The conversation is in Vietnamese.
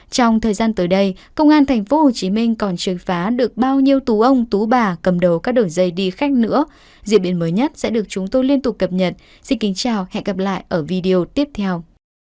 trong thời gian tới đây công an thành phố hồ chí minh còn chưa phá được bao nhiêu tú ông tú bà cầm đầu các đổi dây đi khách nữa diễn biến mới nhất sẽ được chúng tôi liên tục cập nhật xin kính chào hẹn gặp lại ở video tiếp theo